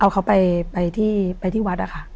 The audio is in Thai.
เอาเขาไปที่วัดนะคะ